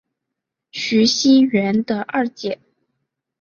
徐熙媛的二姐。